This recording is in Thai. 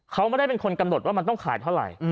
เขาไม่ได้เป็นคนกำหนดว่ามันต้องขายเท่าไหร่